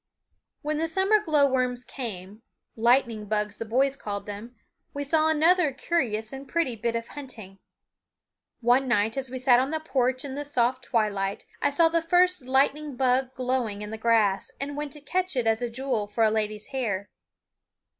When the summer glow worms came (lightning bugs the boys called them) we saw another curious and pretty bit of hunting. One night, as we sat on the porch in the soft twilight, I saw the first lightning bug glowing in the grass, and went to catch it as a jewel for a lady's hair.